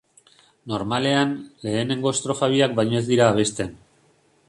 Normalean, lehenengo estrofa biak baino ez dira abesten.